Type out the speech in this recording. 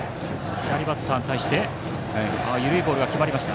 左バッターに対して緩いボールが決まりました。